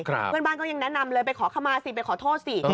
เพื่อนบ้านก็ยังแนะนำเลยไปขอขมาสิไปขอโทษสิ